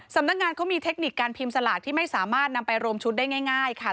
สำนักงานเขามีเทคนิคการพิมพ์สลากที่ไม่สามารถนำไปรวมชุดได้ง่ายค่ะ